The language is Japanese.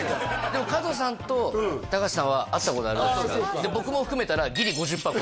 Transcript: でも加藤さんと高橋さんは会ったことあるで僕も含めたら・